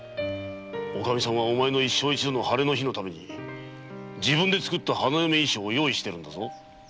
おカミさんはお前の一生一度の晴れの日のために自分で作った花嫁衣装を用意しているんだぞ。